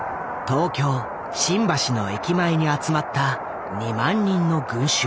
東京・新橋の駅前に集まった２万人の群衆。